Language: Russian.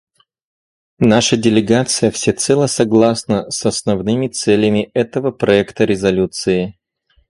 Наша делегация всецело согласна с основными целями этого проекта резолюции.